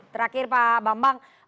terakhir pak bambang